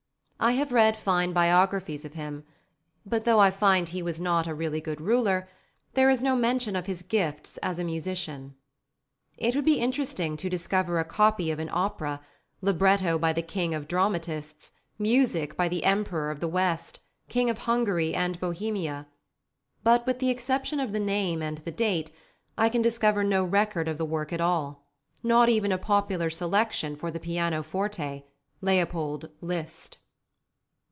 I have read fine biographies of him; but though I find he was not a really good ruler, there is no mention of his gifts as a musician. It would be interesting to discover a copy of an opera, libretto by the King of Dramatists, music by the Emperor of the West, King of Hungary and Bohemia; but with the exception of the name and the date I can discover no record of the work at all: not even a popular selection for the pianoforte Leopold Liszt!